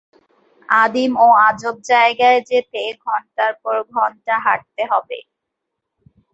আদিম ও আজব জায়গায় যেতে ঘন্টার পর ঘন্টা হাঁটতে হবে।